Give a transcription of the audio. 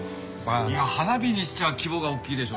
いや花火にしちゃ規模が大きいでしょ！